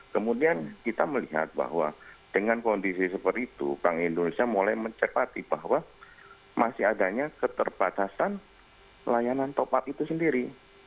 kemudian kita melihat bahwa dengan kondisi seperti itu bank indonesia mulai mencekati bahwa masih adanya keterbatasan layanan top up itu sendiri